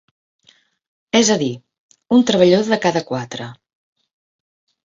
És a dir, un treballador de cada quatre.